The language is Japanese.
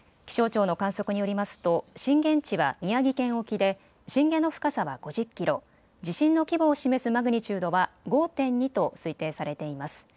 気象庁の観測によりますと震源地は宮城県沖で震源の深さは５０キロ、地震の規模を示すマグニチュードは５．２と推定されています。